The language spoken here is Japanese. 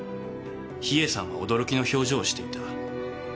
秘影さんは驚きの表情をしていた。